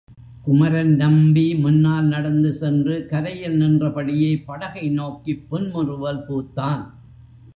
குமரன் நம்பி முன்னால் நடந்து சென்று கரையில் நின்ற படியே படகை நோக்கிப் புன்முறுவல் பூத்தான்.